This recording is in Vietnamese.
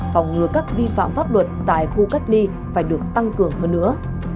phòng ngừa các vi phạm pháp luật tại khu cách ly phải được tăng cường hơn nữa